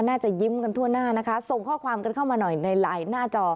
น่าจะยิ้มกันทั่วหน้านะคะส่งข้อความกันเข้ามาหน่อยในไลน์หน้าจอ